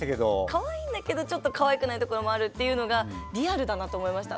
かわいいんだけどちょっとかわいくないところもあるっていうのがリアルだなって思いました。